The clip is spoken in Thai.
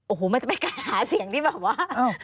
โอ้โหมันจะไปหาเสียงดิแบบว่า